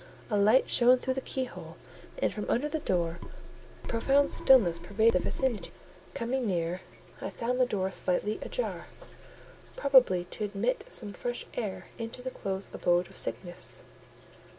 A light shone through the keyhole and from under the door; a profound stillness pervaded the vicinity. Coming near, I found the door slightly ajar; probably to admit some fresh air into the close abode of sickness.